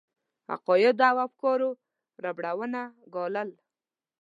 عقایدو او افکارو ربړونه ګالل.